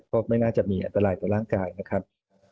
ก็ไม่น่าจะมีอันตรายต่อร่างกายนะครับ